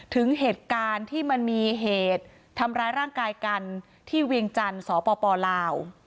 ถึงเหตุการณ์ที่มันมีเหตุทำร้ายร่างกายกันที่เวียงจันทร์สปลาว